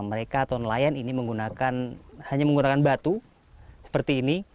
mereka atau nelayan ini hanya menggunakan batu seperti ini